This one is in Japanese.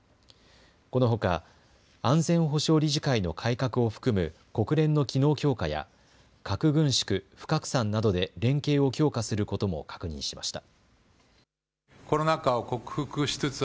このほか安全保障理事会の改革を含む、国連の機能強化や核軍縮・不拡散などで連携を強化することも確認しました。